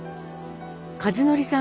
和則さん